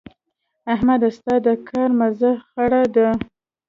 احمده؛ ستا د کار مزه خړه ده.